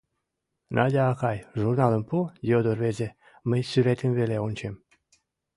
— Надя акай, журналым пу, — йодо рвезе, — мый сӱретым веле ончем.